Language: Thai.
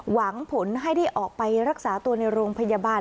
หวังผลให้ได้ออกไปรักษาตัวในโรงพยาบาล